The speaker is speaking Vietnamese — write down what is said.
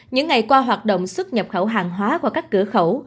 những ngày qua hoạt động xuất nhập khẩu hàng hóa qua các cửa khẩu